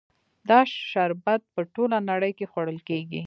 دا شربت په ټوله نړۍ کې خوړل کیږي.